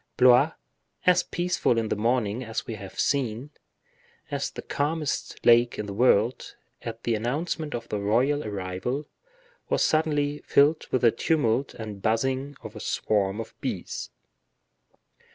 Blois, as peaceful in the morning, as we have seen, as the calmest lake in the world, at the announcement of the royal arrival, was suddenly filled with the tumult and buzzing of a swarm of bees.